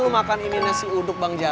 dium bau aroma nasi uduk